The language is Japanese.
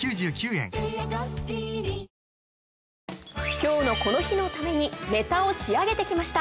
今日のこの日のためにネタを仕上げてきました。